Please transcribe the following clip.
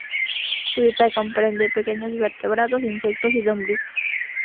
Su dieta comprende pequeños vertebrados, insectos y lombrices.